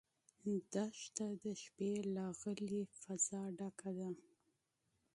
دښته د شپې له غلې فضا ډکه ده.